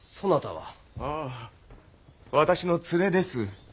ああ私の連れです。